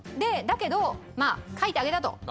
だけど書いてあげたと。